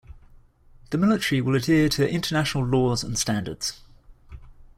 The Military will adhere to international laws and standards.